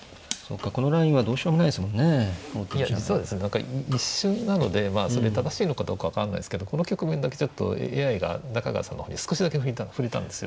何か一瞬なのでまあそれ正しいのかどうか分からないですけどこの局面だけちょっとＡＩが中川さんの方に少しだけ振れたんですよ。